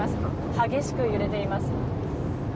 激しく揺れています。